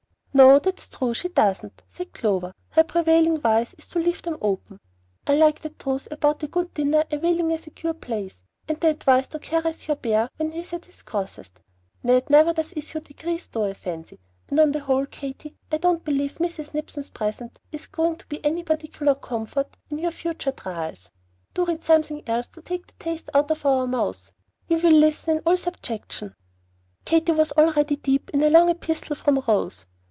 "No, that's true; she doesn't," said Clover. "Her prevailing vice is to leave them open. I like that truth about a good dinner 'availing' to secure peace, and the advice to 'caress' your bear when he is at his crossest. Ned never does issue 'decrees,' though, I fancy; and on the whole, Katy, I don't believe Mrs. Nipson's present is going to be any particular comfort in your future trials. Do read something else to take the taste out of our mouths. We will listen in 'all subjection.'" Katy was already deep in a long epistle from Rose.